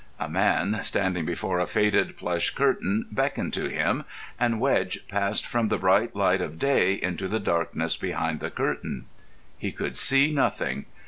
A man standing before a faded plush curtain beckoned to him, and Wedge passed from the bright light of day into the darkness behind the curtain. He could see nothing.